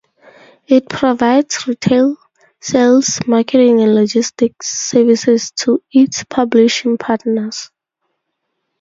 It provides retail, sales, marketing and logistics services to its publishing partners.